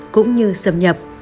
cũng như xâm nhập